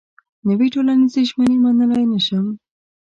نوې ټولنيزې ژمنې منلای نه شم.